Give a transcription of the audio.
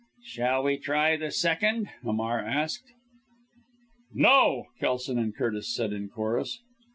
"Shall we try the second?" Hamar asked. "No!" Kelson and Curtis said in chorus.